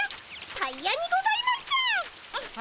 タイヤにございます。